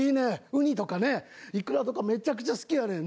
ウニとかねイクラとかめちゃくちゃ好きやねんな。